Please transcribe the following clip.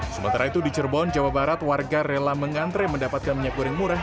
sementara itu di cirebon jawa barat warga rela mengantre mendapatkan minyak goreng murah